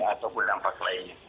ataupun dampak lainnya